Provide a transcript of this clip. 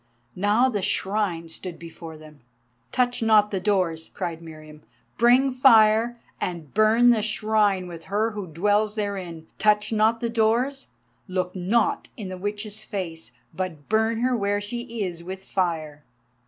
Now the Shrine stood before them. "Touch not the doors," cried Meriamun. "Bring fire and burn the Shrine with her who dwells therein. Touch not the doors, look not in the Witch's face, but burn her where she is with fire."